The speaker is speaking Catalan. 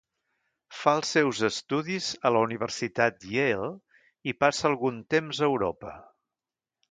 Fa els seus estudis a la Universitat Yale i passa algun temps a Europa.